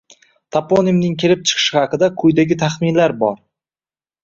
Toponimning kelib chiqishi haqida quyidagi taxminlar bor: